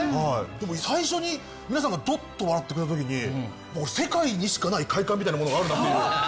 でも最初に皆さんがドッと笑ってくれた時に世界にしかない快感みたいなものがあるなっていう。